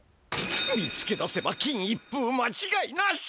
見つけ出せば金一封まちがいなし！